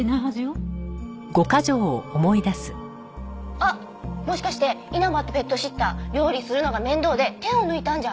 あっもしかして稲葉ってペットシッター料理するのが面倒で手を抜いたんじゃ。